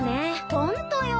ホントよ。